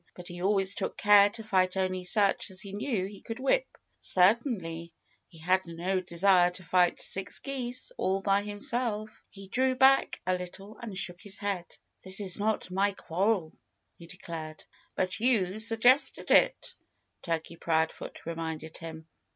But he always took care to fight only such as he knew he could whip. Certainly he had no desire to fight six geese all by himself. He drew back a little and shook his head. "This is not my quarrel," he declared. "But you suggested it," Turkey Proudfoot reminded him.